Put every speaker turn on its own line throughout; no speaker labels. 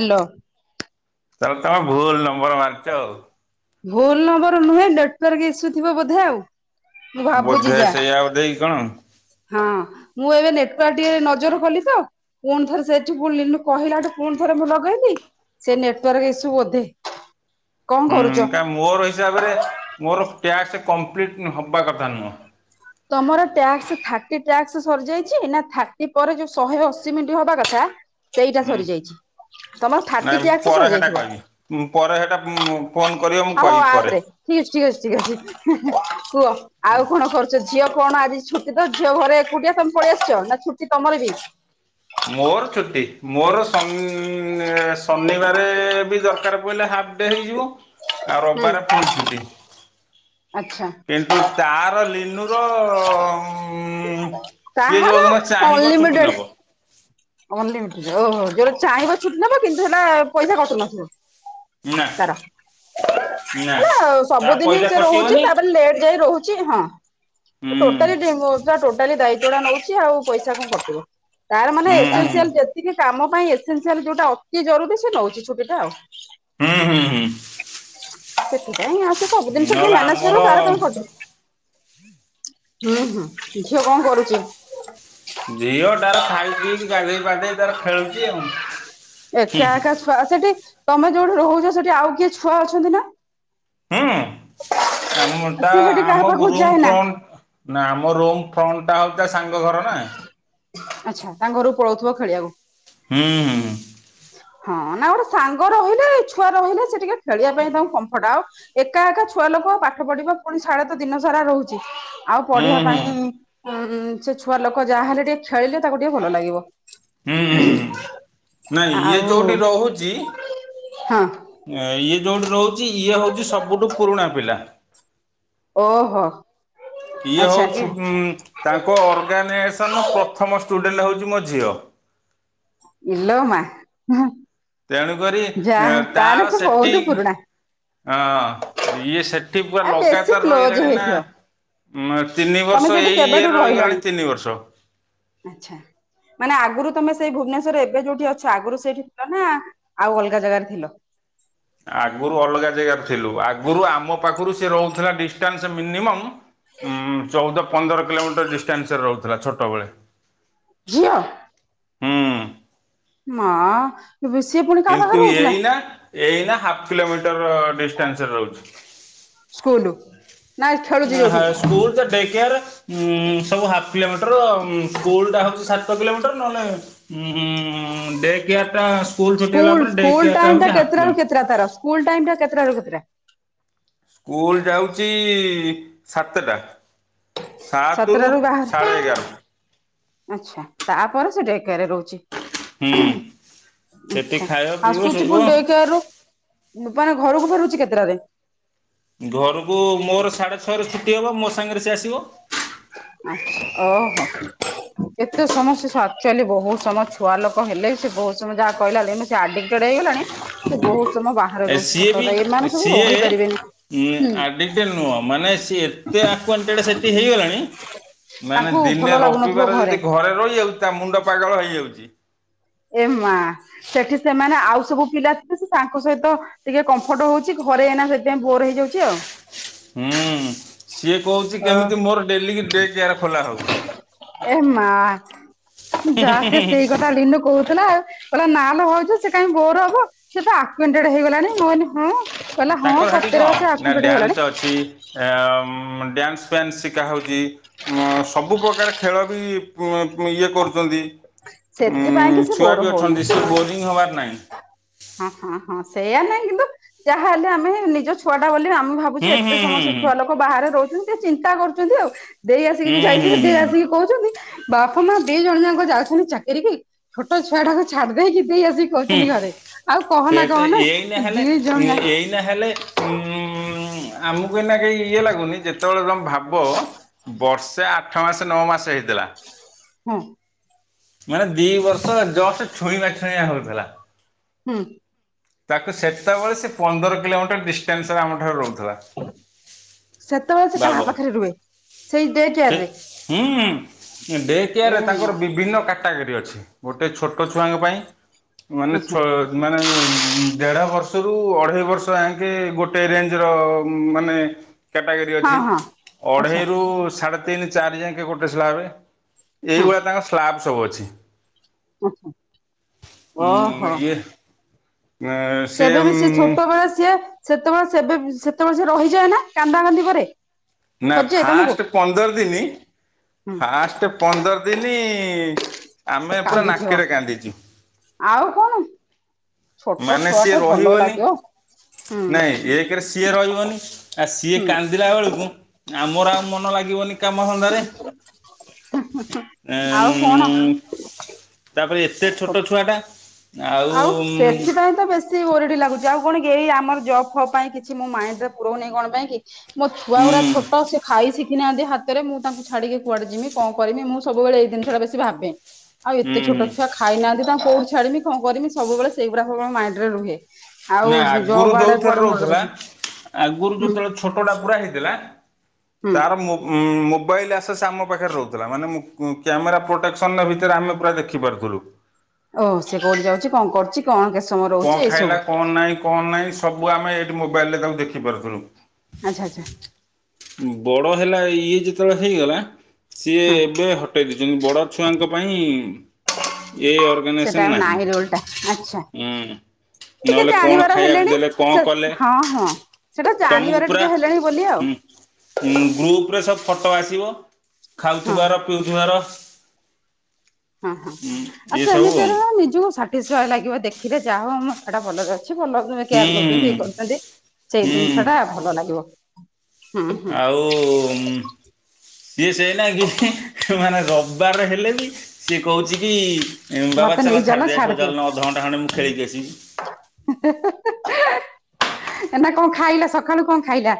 Hello.
ତାହାଲେ ତମେ ଭୁଲ ନମ୍ବର ମାରିଛ ଆଉ।
ଭୁଲ ନମ୍ବର ନୁହେଁ ନେଟୱାର୍କ ଇସୁ ଥିବ ବୋଧେ ଆଉ। ମୁଁ ଭାବୁଛି
ବୋଧେ
ଯା।
ସେଇଆ ଦେଇକି କଣ
ହଁ ମୁଁ ଏବେ ନେଟୱର୍କ ଟିକେ ନଜର କଲି ତ। ପୁଣି ଥରେ ସେଠୁ ପୁଣି ଲିଲୁ କହିଲାଠୁ ପୁଣି ଥରେ ମୁଁ ଲଗେଇଲିି ସେ ନେଟୱାର୍କ ଇସୁ ବୋଧେ? କଣ
ହୁଁ
କରୁଛ?
କା ମୋର ହିସାବରେ ମୋର ଟ୍ୟାକ୍ସ କମ୍ପ୍ଲିଟ୍ ହେବା କଥା ନୁହଁ।
ତମର ଟ୍ୟାକ୍ସ ଥାଟି ଟ୍ୟାକ୍ସ ସରିଯାଇଛି ନା ଥାଟି ପରେ ଯୋ ଶହେ ଅଶି ମିନିଟ ହବା କଥା ସେଇଟା
ହୁଁ
ସରିଯାଇଛି ତମର ଥାଟି ଟ୍ୟାକ୍ସ ସରିଯାଇଥିବ।
ଉଁ ପରେ ହେଇଟା ବୁଁ। ଫୋନ୍ କରିବ ମୁଁ
ହଉ ହଉ
କହିବି ପରେ।
ଆପ୍ ଠିକ ଅଛି ଠିକ ଅଛି ଠିକ ଅଛି କୁହ? ଆଉ କଣ କରୁଛ ଝିଅ କଣ ଆଜି ଛୁଟି ତ ଝିଅ ଘରେ ଏକୁଟିଆ ତମେ ପଳି ଆସିଛ ନା ଛୁଟି ତମର ବି?
ମୋର ଛୁଟି ମୋର ସ ଶନିବାର ବି ଦରକାର ପହିଲେ ହାଫ ଡେ ହେଇଯିବ। ଆଉ
ହୁଁ
ରବିବାର ଫୁଲ ଛୁଟି।
ଆଚ୍ଛା।
କିନ୍ତୁ ତାର ଲିନୁର ଉଁ ସିଏ
ତାହାର
ଯୋଉଦିନ ଚାହିଁବ ଛୁଟି ନବ?
ଅଲ ଲିମିଟେଡ ଓହୋ ଯୋଉଟା ଚାହିଁବ ଛୁଟି ନେବ କିନ୍ତୁ ହେଟା ପଇସା କଟୁନଥିବ।
ନା।
ତାର
ନା
ହେଲା
ତା
ସବୁଦିନ
ପଇସା
ସେ ରହୁଛି
କଟିବନି
ତାପରେ ଲେଟ ଯାଏ ରହୁଛି ହଁ। ଟୋଟାଲି
ହୁଁ।
ଟୋଟାଲି ଦାୟିତ୍ୱ ଟା ନଉଛି ଆଉ ପଇସା କଣ କଟିବ ତାର ମାନେ
ହୁଁ ହୁଁ
ସେତିକି କାମ ପାଇଁ ଏସେନ୍ସିଆଲ ଯୋଉଟା ଅତି ଜରୁରୀ ସେ ନଉଛି ଛୁଟି ଟା ଆଉ।
ହୁଁ ହୁଁ ହୁଁ।
ସେଥିପାଇଁ ଆଉସ ସବୁ ଜିନିଷ ଯେ
ନହେଲେ
ମ୍ୟାନେଜର
ଆମର
କରିବ ତାର କଣ କରିଚୁ? ହୁଁ ହୁଁ ଝିଅ କଣ କରୁଛି?
ଝିଅ ତାର ଖାଇ ପିଇକି ଗାଧେଇ ପାଧେଇ ତାର ଖେଳୁଛି ଆଉ। ହୁଁ
ଏକା
ହୁଁ।
ଏକା ଛୁଆ ସେଠି ତମେ ଯୋଉଠି ରହୁଛ ସେଠି ଆଉ କିଏ ଛୁଆ ଅଛନ୍ତି ନା?
ହୁଁ ଆମଟା
ସିଏ ସେଠି କାହା
ଆମ
ପାଖକୁ
ରୁମ
ଯାଏନା
ଫ୍ରଣ୍ଟ ନାାଇଁ ଆମ ରୁମ ଫ୍ରଣ୍ଟଟା ହଉ ତା ସାଙ୍ଗ ଘର। ନା
ଆଚ୍ଛା ତାଙ୍କ ଘରୁ ପଳଉଥିବ ଖେଳିଆକୁ?
ହୁଁଁ।
ହଁ ନା ଗୋଟେ ସାଙ୍ଗ ରହିଲେ ଛୁଆ ରହିଲେ ସେ ଟିକେ ଖେଳିବା ପାଇଁ ତାଙ୍କୁ କମ୍ଫର୍ଟ ଆଉ। ଏକା ଏକା ଛୁଆ ଲୋକ ପାଠ ପଢିବ ପୁଣି ଛଡ ତ ଦିନ ସାରା ରହୁଛି। ଆଉ
ହୁଁ
ପଢିବା
ହୁଁ ହୁଁ ହୁଁ
ପାଇଁ ଉ ସେ ଛୁଆ ଲୋକ ଯାହାହଲେ ଟିକେ ଖେଳିଲେ ତାକୁ ଟିକେ ଭଲ ଲାଗିବ।
ହୁଁ ହୁଁ ନାଇଁ ଇଏ
ଆଉ
ଯୋଉଠି ରହୁଛି?
ହଁ
ଇଏ ଯୋଉଠି ରହୁଛି ଇଏ ହଉଛି ସବୁଠୁ ପୁରୁଣା ପିଲା।
ଓହୋ
ଇଏ
ଆଚ୍ଛା
ହଉଛି
ଆଚ୍ଛା
ଉଁ ତାଙ୍କ ଅର୍ଗାନାଇଜେସନ ପ୍ରଥମ ଷ୍ଟୁଡେଣ୍ଟ ହେଉଛି ମୋ ଝିଅ।
ଇଲୋ ମା। ଉହୁଁ।
ତେଣୁକରି ତାର
ସେ
ସେଠି
ବହୁତ ପୁରୁଣା
ହଁ ଇଏ ସେ ସେଠି ପୁ
ଆଉ ବେଶୀ
ଲଗାତାର
କ୍ଲୋଜ
ରହିଲାଣି ନା।
ହେଇଥିବ
ନା ତିନି
ତମେ
ବର୍ଷ
ସେଠି
ଏଇ
କେବେଠୁ
ଇଏର
ରହିଲଣି?
ରହିଗଲାଣି ତିନି ବର୍ଷ।
ଆଚ୍ଛା ମାନେ ଆଗରୁ ତମେ ସେଇ ଭୁବନେଶ୍ଵରେ ଏବେ ଯୋଉଠି ଅଛ ଆଗରୁ ସେଇଠି ଥିଲ ନା। ଆଉ ଅଲଗା ଜାଗାରେ ଥିଲ?
ଆଗରୁ ଅଲଗା ଜାଗାରୁ ଥିଲୁ ଆଗରୁ ଆମ ପାଖରୁ ସେ ରହୁଥିଲା ଡିଷ୍ଟାନ୍ସ ମିନିମମ୍ ହୁଁ ଚଉଦ ପନ୍ଦର କିଲୋମିଟର ଡିଷ୍ଟାନ୍ସରେ ରହୁଥିଲା ଛୋଟବେଳେ।
ଝିଅ
ହୁଁ
ମା ଏବେ ସିଏ ପୁଣି କାହା
କିନ୍ତୁ
ପାଖରେ ରହୁଥିଲା?
ଏଇନା ଏଇନା ହାଫ୍ କିଲୋମିଟର ଡିଷ୍ଟାନ୍ସରେ ରହୁଛି।
ସ୍କୁଲ। ନା ଖେଳୁଛି
ଆ ହ
ଯୋଉଠି?
ସ୍କୁଲ ଯେ ଡେକେୟାର। ଉଁ ସବୁ ହାଫ୍ କିଲୋମିଟର ସ୍କୁଲଟା ହଉଛି ସାତ କିଲୋମିଟର ନହେଲେ ଉଁ ହୁଁ ଡେ କେୟାରଟା ସ୍କୁଲ୍ ଛୁଟି ହେଲା
ସ୍କୁଲ
ପରେ ଡେ
ସ୍କୁଲ ଟାଇମ
କେୟାରଟା
ଟା
ହେଉଛି ହାଫ୍
କେତେଟା ରୁ
କିଲୋମିଟର।
କେତେଟା ଧର ସ୍କୁଲ ଟାଇମ ଟା କେତେଟାରୁ କେତେଟା?
ସ୍କୁଲ ଯାଉଚି ସାତଟା। ସାତରୁ
ସାତଟାରୁ ବାହାରେ
ସାଢ଼େ ଏଗାର।
ଆଚ୍ଛା ତାପରେ ସେ ଡେ କେୟାରେ ରହୁଛି।
ହୁଁ ସେଠି
ଆଚ୍ଛା
ଖାଇବ ପିଇବ
ଆସୁଛି ପୁଣି ଡେ
ଶୋଇବ।
କେୟାରୁ। ନୁପାନେ ଘରୁକୁ ଫେରୁଚ କେତେଟାରେ?
ଘରକୁ ମୋର ସାଢ଼େ ଛଅରେ ଛୁଟି ହବ ମୋ ସାଙ୍ଗରେ ସେ ଆସିବ।
ଓହୋ ଏତେ ସମୟ ସେ ଆକ୍ଚୁଆଲି ବହୁତ ସମୟ ଛୁଆ ଲୋକ ନେଲେ ସେ ବହୁତ ସମୟ ଯାହା କହିଲା। ସେ ଆଡିକଟେଡ ହେଇଗଲାଣି ସେ ବହୁତ ସମୟ ବାହାରେ
ଏ
ରହୁଛି ସତକଥା ଏମାନେ ସବୁ ରହିପାରିବେନି।
ଇଏଁ
ହୁଁ
ଆଡ଼ିକଟେଡ଼ ନୁହଁ ମାନେ ସେ ଏତେ ଆକ୍ୟା୍ଟେଡେ ସେଠି ହେଇଗଲାଣି। ମାନେ
ତାଙ୍କୁ ଭଲ
ଦିନେ
ଲାଗୁନଥିବ
ରବିବାର ଯଦି ଘରେ ରହିଯାଉଚି ତା ମୁଣ୍ଡ ପାଗଳ ହେଇଯାଉଚି।
ଏ ମା ସେଠି ସେମାନେ ଆଉ ସବୁ ପିଲା ଥିଲେ ସେ ତାଙ୍କ ସହିତ ଟିକେ କମ୍ଫର୍ଟ ହଉଚି ଘରେ ଯାଇନା ସେଥିପାଇଁ ବୋର ହେଇଯାଉଚି ଆଉ।
ହୁଁ ସିଏ କହୁଛି
ଅ
କେମିତି ମୋର ଡେଲି କି ଡେକେୟାର ଖୋଲା ହଉ।
ଏ ମା ଯା ସିଏ ସେଇ କଥା ଲିନୁକ୍ କହୁଥିଲା ନା ଲୋ ଭାଉଜ ସେ କାଇଁ ବୋର ହବ ସେ ତ ଆକ୍ୟା୍ଟେଡେ ହେଇଗଲାଣି ହଁ। କହିଲା ହଁ
ତାଙ୍କର ହେଟି
ସତରେ
କଣ
ବା ସେ
ନା
ଆକ୍ୱେଣ୍ଟେଡ ହେଇଗଲାଣି
ଡ୍ୟାନ୍ସ ଅଛି। ଏ ଡ୍ୟାନ୍ସ ଫ୍ୟାନ୍ସ ଶିକାହଉଛି ସବୁ ପ୍ରକାର ଖେଳ ବିପୁ ପୁ ଇଏ କରୁଛନ୍ତି।
ସେଥିପାଇଁ
ଉଁ
କି ସେ
ଛୁଆ
ବୋର
ବି
ହଉନି
ଅଛନ୍ତି ସିଏ ବୋରିଂ ହବାର ନାହିଁ।
ହଁ ହଁ ହଁ ସେଇୟା ନାହିଁ କିନ୍ତୁ ଯାହା ହେଲେ ଆମେ ନିଜ ଛୁଆଟା ବୋଲି ଆମେ ଭାବୁଛେ
ହୁଁ
ଏତେ
ହୁଁ ହୁଁ
ସମୟସେ ଛୁଆ ଲୋକ ବାହାରେ ରହୁଛନ୍ତି ଟିକେ ଚିନ୍ତା କରୁଛନ୍ତି ଆଉ ଦେଇ ଆସିକି ଯୋଉ
ହୁଁ
ଯାଇ
ହୁଁ ହୁଁ
ଥି ଲେ ଦେଇ ଆସିକି
ହୁଁ
କହୁଛନ୍ତି। ବାପା ମା ଦି ଜଣ ଯାକ ଯାଉଛନ୍ତି ଚାକିରୀ କି ଛୋଟ ଛୁଆଟା କୁ। ଛାଡି ଦେଇକି ଦେଇ ଆସିକି କହୁଛନ୍ତି ଘରେ। ଆଉ କହନା
ସେଏ ତେ
କହନା
ଏଇ ନା ହେଲେ
ଦି ଜଣ ଯାକ
ଏଇ ନା ହେଲେ ଉ--ଉ ଉ ଆମକୁ ଏଇନା ଇଏ ଲାଗୁନି ଯେତେବେଳେ ତମେ ଭାବ ବର୍ଷେ ଆଠ ଆଠ ମାସ ନଅ ମାସ ହେଇଥିଲା।
ହୁଁ
ମାନେ ଦି ବର୍ଷ ଜଷ୍ଟ୍ ଛୁଇଁବା ଛୁଇଁବା ହଉଥିଲା।
ହୁଁ।
ତାକୁ ସେତେବେଳେ ସେ ପନ୍ଦର କିଲୋମିଟର ଡିଷ୍ଟାନ୍ସରେ ଆମଠାରୁ ରହୁଥିଲା।
ସେତେବେଳେ ସେ କାହା
ଭାବ
ପାଖରେ ରୁହେ? ସେଇ ଡେକେ
ସେ ହୁଁ ଡେ
ଏ
କେୟାରେ
ମା
ତାଙ୍କର ବିଭିନ୍ନ କା କ୍ୟାଟାଗୋରି ଅଛି ଗୋଟେ ଛୋଟ ଛୁଆଙ୍କ ପାଇଁ ମାନେ
ଆଚ୍ଛା
ମାନେ ଉଁ ଦେଢ ବର୍ଷରୁୁ ଅଢେଇ ବର୍ଷ ଆକେ ଗୋଟେ ରେଞ୍ଜ ର ମାନେ କ୍ୟାଟାଗୋରୀ
ହଁ
ଅଛି
ହଁ। ଆଚ୍ଛା
ଅଢ଼େଇରୁ ସାଢ଼େ ତିନି ଚାରି ଯାକେ ଗୋଟେ ସ୍ଲାବେ।
ହଁ
ଏଇଭଳିଆ ତାଙ୍କର ସ୍ଲାବ ସବୁ ଅଛି
ଆଚ୍ଛା ଓହୋ
ଉଁ ଇଏ। ଏଁ
ସେବେ ବି ସେ ଛୋଟ ବେଳେ ସିଏ ସେତେବେଳେ ସେ ସେତେବେଳେ ସିଏ ରହିଯାଏ ନା କାନ୍ଦା କାନ୍ଦି କରେ?
ନା
ଖୋଜେ ତମକୁ?
ଫାଷ୍ଟ ପନ୍ଦର ଦିନ
ହୁଁ
ଫାଷ୍ଟ ପନ୍ଦର ଦିନି ଆମେ ପୁରା
କାନ୍ଦିଥିବ
ନାକରେ କାନ୍ଦିଛୁ।
ଆଉ କଣ। ଛୋଟ
ମାନେ
ଛୁଆଟେ
ସିଏ
ଭଲ
ରହିବନି
ଲାଗିବ। ହୁଁ
ନାଇଁ ଏକରେ ସିଏ ରହିବନି ଆଉ ସିଏ
ହୁଁ
କାନ୍ଦିଲା ବେଳକୁ ଆମର ଆଉ ମନ ଲାଗିବନି। କାମ ଧନ୍ଦା ରେ ଏଁ
ଆଉ କଣ?
ଉଁ ତାପରେ ଏତେ ଛୋଟ ଛୁଆ ଟା
ଆଉ ସେତ୍ ଏଥିପାଇଁ ତ ବେଶୀ ଓରିଡ଼ି ଲାଗୁଚିଆଉ କଣ କି ଏଇ ଆମର ଜବ୍ ଫବ ପାଇଁ କିଛି ମୁଁ ମାଇଣ୍ଡରେ ପୁରଉନି କଣ ପାଇଁ କି? ମୋ ଛୁଆ ଗୁଡା
ହୁଁ
ଛୋଟ ସେ ଖାଇ ଶିଖିନାହାନ୍ତି ହାତ ମୁଁ ତାଙ୍କୁ ଛାଡିକି କୁଆଡେ ଯିବି କଣ କରିବି ମୁଁ ସବୁବେଳେ ଏଇକଥା ଟା ଭାବେ ଆଉ ଏତେ
ହୁଁ
ଛୋଟ ଛୁଆ ଖାଇନାହାନ୍ତି ତାଙ୍କୁ କୋଉଠି ଛାଡିବି କଣ କରିବି ସବୁବେଳେ ସେଇଗୁଡାକ ମୋ ମାଇଣ୍ଡରେ ରୁହେ ଆଉ
ନା ଆଗରୁ
ଜବ୍ ଆଡେ
ଯୋଉଥିରେ
କୁଆଡେ ମୁଣ୍ଡ
ରହୁଥିଲା
ପଶି
ଆଗରୁ
ହୁଁ
ଯେତେବେଳେ ଛୋଟଟା ପୁର ହେଇଥିଲା
ହୁଁ
ତାର ମୋବାଇଲ୍ ଆସେ ସେ ଆମ ପାଖରେ ରହୁଥିଲା ମାନେ କ୍ୟାମେରା ପ୍ରୋଟେକ୍ସନ ଭିତରେ ଆମେ ପୁରା ଦେଖିପାରୁଥିଲୁ।
ଓହୋ ସେ କୋଉଠି ଯାଉଛି କଣ କରୁଛି କଣ ସମୟ ରହୁଛି
କଅଁ
ଏଇ ସବୁ
ଖାଇଲା କଣ ନାଇଁ କଣ ନାହିଁ ସବୁ ଆମେ ଏଇଠି ମୋବାଇଲ୍ ରେ ତାକୁ ଦେଖିପାରୁଥିଲୁ।
ଆଚ୍ଛା ଆଚ୍ଛା।
ବଡ଼ ହେଲା ଇଏ ଯେତେବେଳେ ହେଇଗଲା ସିଏ
ହଁ
ଏବେ ହଟେଇ ଦେଇଚନ୍ତି ବଡ଼ ଛୁଆଙ୍କ ପାଇଁ ଏଇ
ସେଟା
ଅର୍ଗାନାଇଜେସନ୍
ଆଉ
ନାହିଁ।
ରୋଲ୍ ଟା ଆଚ୍ଛା
ହୁଁ
ଟିକେ
ନହେଲେ କଣ
ଜାଣିବାର
ଖାଇବାକୁ
ହେଲେଣି
ଦେଲେ କଣ
ସେ
କଲେ
ହଁ ହଁ ସେଟା ଜାଣିବାରେ ଟିକେ ହେଲେଣି ବୋଲି ଆଉ
ଉଁ ଗ୍ରୁପ ରେ ସବୁ ଫଟୋ ଆସିବ
ହଁ
ଖାଉଥିବାର ପିଉଥିବାର
ହଁ ହଁ ଆଉ ସେମିତିରେ ନିଜକୁ ସାଟିସିଫାଏ ଲାଗିବ ଦେଖିଲେ ଯାହା ହଉ ଆମ ଛୁଆ ଟା ଭଲ ରେ ଅଛି। କିଛି ଭଲ
ହୁଁ
କେୟାର ନଉଚନ୍ତି ଇଏ କରୁଚନ୍ତି ସେଇ
ହୁଁ
ଜିନିଷ ଟା ଭଲ ଲାଗିବ। ହୁଁ ହୁଁ
ଆଉ ସିଏ ସେ ନା କି ମାନେ ରବିବାରେ ହେଲେ ବି ସିଏ କହୁଛି କି ଏଁ ବାବା
ମତେ
ଚାଲ
ନେଇଚାଲ
ଛାଡ଼ିଦେଇ ଆସିବ ଚାଲୁଣ ମୁଁ ଅଧ ଘଣ୍ଟାଏ ମୁଁ ଖେଳିକି ଆସିବି।
ହେଁ ହେଁ ନା କଣ ଖାଇଲା ସକାଳୁ କଣ ଖାଇଲା?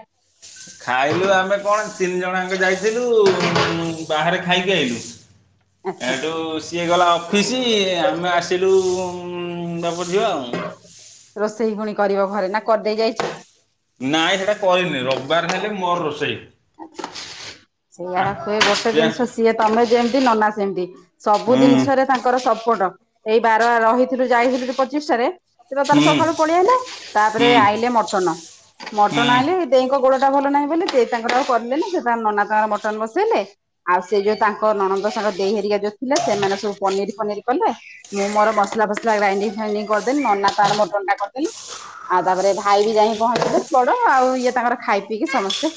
ଖାଇଲୁ ଆମେ କଣ ତିନି ଜଣ ଯାଙ୍କ ଯାଇଥିଲୁ ବାହାରେ ଖାଇକି ଆଇଲୁ।
ଆଚ୍ଛା
ହେଠୁ। ସିଏ ଗଲା ଅଫିସ୍ ଆମେ ଆସିଲୁ ବାପ ଝିଅ ଆଉ।
ରୋଷେଇ ପୁଣି କରିବ ଘରେ ନା କରିଦେଇ ଯାଇଚ?
ନାଇଁ ସେଟା କରିନି ରବିବାର ହେଲେ ମୋର ରୋଷେଇ। ଆ,
ସେଇଆ କୁହେ ଗୋଟେ ଜିନିଷ ସିଏ ତମେ ଯେମିତି ନନା ସେମିତି। ସବୁ
ହୁଁ
ଜିନିଷରେ ତାଙ୍କର ସପୋର୍ଟ ଏଇ ବାର ରହିଥିଲୁ ଯାଇଥିଲୁ ପଚିଶ ରେ ସେତ ତାର
ହୁଁ
ସକାଳୁ ପଳେଇଆଇଲା
ହୁଁ
ତାପରେ
ହୁଁ
ଆଇଲେ ମଟନ୍
ହୁଁ
ମଟନ୍ ଆଇଲେ ଦେଇଙ୍କ ଗୋଡଟା ଭଲ ନାହିଁ ବୋଲି ଦେ ତାଙ୍କର ଆଉ କରିଲେ ନାହିଁ ସେ ତା ନନା ତାଙ୍କର ମଟନ ବସେଇଲେ ଆଉ ସେ ଯୋଉ ତାଙ୍କ ନନ୍ଦଙ୍କ ସାଙ୍ଗ ଦେଇହେରି ଯୋଉଥିଲା ସେମାନେ ସବୁ ପନିର୍ ଫନିର୍ କଲେ ମୁଁ ମୋର ମସଲା ଫସଲା ଗ୍ରାଇଣ୍ଡି ଫାଇଣ୍ଡି କରିଦେଲି ନନା ତାଙ୍କର ମଟନ୍ ଟା କରିଦେଲେ। ଆଉ ତାପରେ ଭାଇ ବି ଯାଇକି ପହଞ୍ଚିବେ ବଡ ଆଉ ଇଏ ତାଙ୍କର ଖାଇ ପିଇକି ସମସ୍ତେ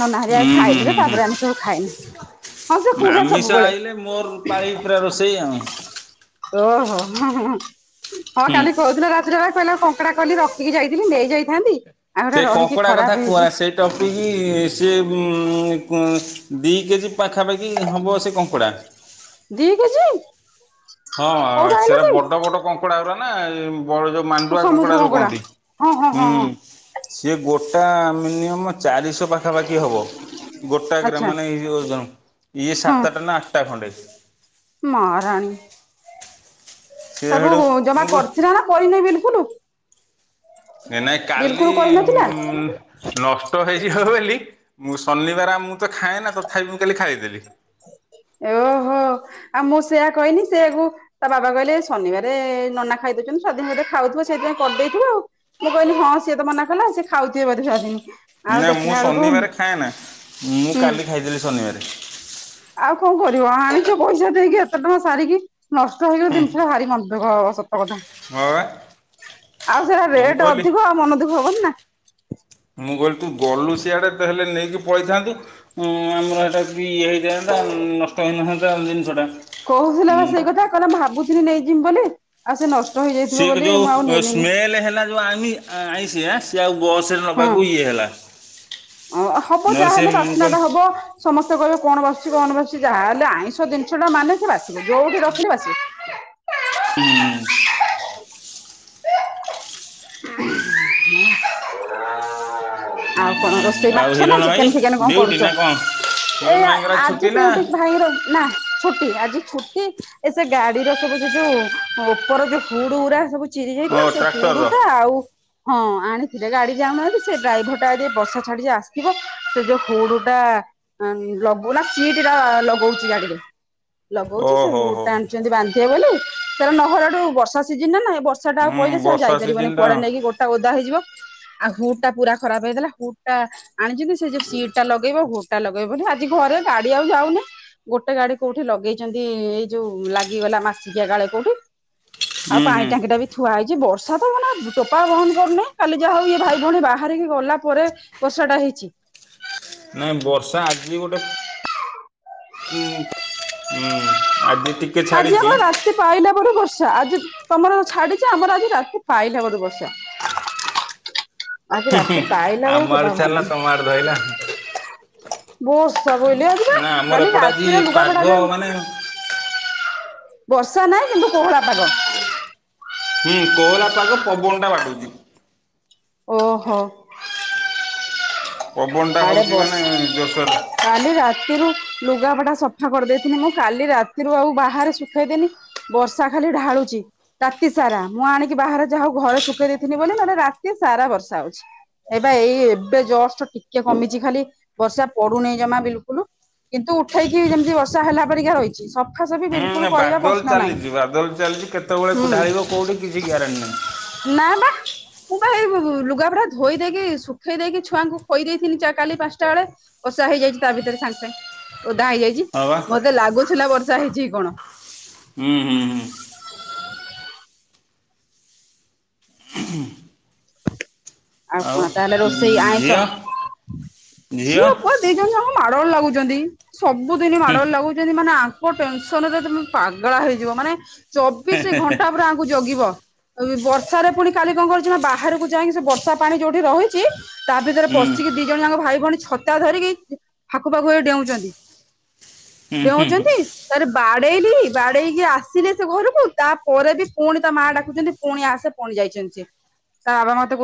ନନା ହାରିଆ
ହୁଁ
ଖାଇଦେଲେ
ହୁଁ ହୁଁ।
ତାପରେ ଆମେ ସବୁ ଖାଇନ୍ଡ। ହଁ ସେ କୁହେ
ଆମିଷ
ସବୁବେଳେ।
ଆଇଲେ ମୋର ପାଳି ପୁରା ରୋଷେଇ ଆଉ।
ଓହୋ ହଁ ହଁ ହଁ
ହୁଁ
କାଲି କହୁଥିଲା ରାତିରେ ବା କହିଲା ପଙ୍କ ଙ୍କଙ୍କଡା କଲି ରଖିକି ଯାଇଥିଲି ନେଇଯାଇଥାନ୍ତି।
ସେ ଙ୍କଙ୍କଡା କଥା କୁଆଁ ସେଇ ଟପିକି ସିଏ ବୁଁ କୁଂ ଦିକେଜି ପାଖାପାଖି ହବ ସେ ଙ୍କଙ୍କଡ଼ା।
ଦି କେଜି କୋଉଠୁ ଆଇଲ କି?
କଙ୍କଡା ଗୁରା ନା ବଡ଼ ଯୋଉ ମାଣ୍ଡୁଆ କଙ୍କଡା ଯୋଉ କହନ୍ତି
ହଁ ହଁ ହଁ ହଁ
ହୁଁ। ସିଏ ଗୋଟା ମିନିମମ୍ ଚାରିଶ ପାଖ ପାଖାପାଖି ହବ ଗୋଟା ଗ୍ରାମ
ଆଚ୍ଛା
ମାନେ ଇ ଇଏ
ହଁ
ସାତଟା ନା ଆଠଟା ଖଣ୍ଡେ
ମାରାଣୀ
ସିଏ
ତାକୁ
ହେଠୁ
ଜମା
ମୁଁ କ
କରିଥିଲା ନା କରିନ ବିଲକୁଲ?
ନାଇଁ କାଲି
ବିଲକୁଲ
ଇ
କରିନଥିଲା।
ମୁଁ ଉଁ ନଷ୍ଟ ହେଇଯିବ ବୋଲି ମୁଁ ଶନିବାର ମୁଁ ତ ଖାଏନା ତଥାପି ମୁଁ କାଲି ଖାଇଦେଲି।
ଓହୋ ଆଉ ମୁଁ ସେଇଆ କହିନି ସେଇଆକୁ ତା ବାବା କହିଲେ ଶନିବାରେ ନନା ଖାଇଦଉଛନ୍ତି ସ୍ୱାଧୀନ ବୋଧେ ଖାଉଥିବ ସେଇଥିପାଇଁ କରିଦେଇଥିବ ଆଉ। ମୁଁ କହିଲି ହଁ ସିଏତ ମନାକଲେ ସିଏ ଖାଉଥିବେ ବଧେ ସ୍ୱାଧୀନ। ଆଉ
ନା ମୁଁ
ଦେଖିଲା ବେଳକୁ ହୁଁ
ଶନିବାରେ ଖାଏନା ମୁଁ କାଲି ଖାଇଦେଲି ଶନିବାରେ।
ଆଉ କଣ କରିବ ଆଣିଚ ପଇସା ଦେଇକି ଏତେ ଟଙ୍କା ସାରିକି ନଷ୍ଟ ହେଇଗଲେ
ହୁଁ
ଜିନିଷଟା ଭାରି ମନ ଦୁଃଖ ହବ ସତ ସତ କଥା
ହଁ ବା
ଆଉ ସେଟା
ମୁଁ
ରେଟ
କହିଲି
ଅଧିକ ଆଉ ମନ ଦୁଖ ହବନି ନା।
ମୁଁ କହିଲି ତୁ ଗଲୁ ସିଆଡ଼େ ତ ହେଲେ ନେଇକି ପଳେଇଥାନ୍ତୁ। ହୁଁ ଆମର ହେଟାକୁବି ଇଏ ହେଇଥାନ୍ତା ନଷ୍ଟ ହେଇନଥାନ୍ତା ଜିନିଷଟା।
କହୁଥିଲା ବା
ହୁଁ
ସେଇ କଥା କହିଲା ଭାବୁଥିଲି ନେଇଜିମି ବୋଲି ଆଉ ସେ ନଷ୍ଟ ହେଇଯାଇ
ସିଏ ଯଉ ସ୍ମେଲ ହେଲା ଯଉ ଆମି ଆଇଁସିଆ ସିଏ ଆଉ ବସରେ ନେବାକୁ ଇଏ ହେଲା। ହ
ଓ ହବ ଯାହାହେଲେ ବାସ୍ନା ଟା ହବ। ସମସ୍ତେ କହିବେ କଣ ବାସୁଚି କଣ ବାସୁଚି ଯାହା ହେଲେ ଆଇଁଷ ଜିନିଷଟା ମାନେ ସେ ବାସିବ ଯଉଠି ରଖିଲେ ବାସିବ।
ହୁଁ ହୁଁ।
ଆଉ
ହୁଁ
କଣ
ହୁଁ
ରୋଷେଇ
ଆଉ
ମାଛ ନା
ହିରଣ ଭାଇ
ଚିକେନ ଫିକେନ କଣ
ଡ୍ୟୁଟି
କରୁଛ?
ନା କଣ?
ଏ
ହିରଣ ଭାଇଙ୍କର
ଆଜି
ଛୁଟି ନା
ଡ଼ିଉଟି ଭାଇଙ୍କର ନା? ଛୁଟି ଆଜି ଛୁଟି ଏ ସେ ଗାଡିର ସବୁ ସେ ଯୋଉ ଓପର ଯୋଉ ହୁଡଗୁରା ସବୁ ଚିରି
ଓ
ଯାଇଥିଲା ସେ
ଟ୍ରାକ୍ଟରର
ହୁଡଟା ଆଉ ହଁ ଆଣିଥିଲେ ଗାଡି ଯାଉନାହାଁନ୍ତି ସେ ଡ୍ରାଇଭରଟା ଏଯଉ ବର୍ଷା ଛାଡିିଚି ଆସିବ ସେ ଯଉ ହୁଡୁଟା ଲଗଉନା ସିଟରା ଲଗଉଚି ଗାଡିରେ। ଲଗଉଛି ସେ
ଓହୋ ହୋ।
ହୁଡଟା ଆଣିଛନ୍ତି ବାନ୍ଧିବେ ବୋଲି ସେରା ନହେଲାଠୁ ବର୍ଷା ସିଜନଟାନା ଏ ବଷ ସେଟାଆଉ
ହୁଁ
ପହିଲେ ସେ ଆଉ
ବର୍ଷା
ଯାଇପାରିବନି
ସିଜିନଟା
କୁଆଡେ ନେଇକି ଗୋଟା ଓଦା ହେଇଯିବ। ଆଉ ହୁଡ଼ଟା ପୁରା ଖରାପ ହେଇଥେଲା ହୁଡ଼ଟା ଆଣିଛନ୍ତି ସେ ଯୋଉ ସିଟଟା ଲଗେଇବ ହୁଡଟା ଲଗେଇବ ବୋଲି ଆଜି ଘରେ ଗାଡି ଆଉ ଯାଉନି। ଗୋଟେ ଗାଡି କୋଉଠି ଲଗେଇଛନ୍ତି ଏଇ ଯୋଉ ଲାଗିଗଲା ମାସିକିଆ କାଳେ କୋଉଠି। ଆଉ
ହୁଁ ହୁଁ
ପାଣିଟାଙ୍କିଟା ବି ଥୁଆ ହେଇଛି ବର୍ଷା [inaudible] ଟୋପା ବନ୍ଦ କରୁନେଇଁ କାଲି ଯାହା ହଉ ଇଏ ଭାଇ ଭଉଣୀ ବାହାରିକି ଗଲା ପରେ ବର୍ଷାଟା ହେଇଛି।
ନାଇଁ ବର୍ଷା ଆଜି ଗୋଟେ ହୁଁଉଁ
ଆଜି ଆମର ବା ରାତି ପାଇଲା ପରେ ବର୍ଷା ଆଜି ତମର ଛାଡିଚି ଆମର ଆଜି ରାତି ପାଇଲା ପରେ ବର୍ଷା। ଆଜି
ହୁଁ ହୁଁ
ରାତି ପାଇଲା ବେଳୁ ଟୋପା
ଆମଆଡେ ଛାଡିଲା
ହୁଅନ୍ତାନି
ତମଆଡେ ଧଇଲା।
ବର୍ଷା ବୋଇଲି ଆଉ ଯିବା
ନା ଆମର
କାଲି
ଏପଟେ ଆଜି
ରାତିରେ ଲୁଗା
ପାଗ
ପଟା ଯଉ
ମାନେ
ବର୍ଷା ନାଇଁ କିନ୍ତୁ ପୋହରା ପାଗ।
ହୁଁ କୋହଲା ପାଗ ପବନ ଟା ବାଡଉଛି।
ଓହୋ।
ପବନଟା
ଆଡେ
ହେଉଛି ମାନେ
ବର୍ଷା
ଜୋରସୋରରେ।
କାଲି ରାତିରୁ ଲୁଗାପଟା ସଫା କରିଦେଇଥିଲି ମୁଁ କାଲି ରାତିରୁ ଆଉ ବାହାରେ ଶୁଖେଇଦେନି। ବର୍ଷା ଖାଲି ଢାଳୁଛି। ରାତି ସାରା ମୁଁ ଆଣିକି ବାହାରେ ଯାହା ହଉ ଘରେ ଶୁଖେଇ ଦେଇଥିନି ବୋଲି ନହେଲେ ରାତି ସାରା ବର୍ଷା ହଉଛି। ଏବେ ଏଇ ଏବେ ଜରସର ଟିକେ କମିଛି ଖାଲି ବର୍ଷା ପଡୁନି ଜମା ବିଲକୁଲ। କିନ୍ତୁ ଉଠେଇକି ଯେମିତି ବର୍ଷା ହେଲା ପରିକା ରହିଛି ସ ଆାସ ବି ବିଲକୁଲ
ହୁଁ
କରିବା
ବାଦଲ
ପ୍ରଶ୍ନ ନାହିଁ
ଚାଲିଛି ବାଦଲ ଚାଲିଛି କେତେବେଳେ
ହୁଁ।
ଢାଳିବ କୋଉଠି କିଛି ଗ୍ୟାରେଣ୍ଟି ନାହିଁ
ନା ବା ମୁଁ ବା ଏଇ ଲୁଗା ପଟା ଧୋଇ ଦେଇକି ଶୁଖେଇ ଦେଇକି ଛୁଆଙ୍କୁ ଖୋଇଦେଇଥିଲି ଚା କାଲି ପାଞ୍ଚଟା ବେଳେ ବର୍ଷା ହେଇଯାଇଛି ତା ଭିତରେ ସାଙ୍ଗ ସାଙ୍ଗ ଓଦା ହେଇଯାଇଛି
ହଁ ବା
ମୋର ମତେ ଲାଗୁଥିଲା ବର୍ଷା ହେଇଛି କି କଣ।
ହୁଁ ହୁଁ ହୁଁ। ହୁଁ ଉମ୍।
ଆଉ କଣ ତାହେଲେ ରୋଷେଇ ଆଇଁଷ
ଝିଅ
ଝିଅ ପୁଅ ଦି ଜଣ ଯାକ ମାଡ଼ ଗୋଳ ଲାଗୁଛନ୍ତି ସବୁଦିନ ମାଡ଼ ଗୋଳ ଲାଗୁ ଯେମତି ମାନେ ଆଙ୍କ ଟେନସନରେ ତମେ ପାଗାଳା ହେଇଯିବ ମାନେ ଚବିଶ ଘଣ୍ଟା ପୁରା ଜଗିବ ବର୍ଷାରେ ପୁଣି କାଲି କଣ କରୁଛ ନା ବାହାରକୁ ଯାଇକି ସେ ବର୍ଷା ପାଣି ଯୋଉଠି ରହିଛି ତା ଭିତରେ
ହୁଁ
ପଶିକି ଦି
ହୁଁ
ଜଣ ଯାଙ୍କ ଭାଇ ଭଉଣୀ ଛତା ଧରିକି ଫାକୁ ଫାଖ ହୋଈ ଡେଉଛନ୍ତି।
ହୁଁ ହୁଁ
ଡେଉଛନ୍ତି। ତା ରେ ବାଡେଇଲି ବାଡେଇକି ଆସିଲେ ସେ ଘରକୁ ତାପରେ ବି ପୁଣି ତା ମା ଡାକୁଛନ୍ତି ପୁଣି ଆସେ ପୁଣି ଯାଇଛନ୍ତି ସେ ତା ବାବା ମତେ କହୁ